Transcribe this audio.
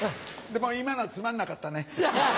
でも今のつまんなかったね。